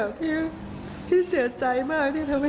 ลองฟังเสียงช่วงนี้ดูค่ะ